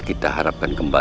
aku akan menolongmu